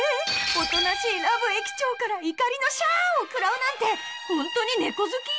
おとなしいらぶ駅長から怒りのシャーを食らうなんてホントに猫好き？